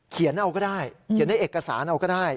เขียนเอาก็ได้เขียนในเอกสารเอาก็ได้